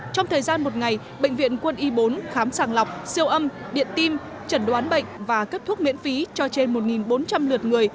trong thời gian một ngày bệnh viện quân y bốn khám sàng lọc siêu âm điện tim trần đoán bệnh và cấp thuốc miễn phí cho trên một bốn trăm linh lượt người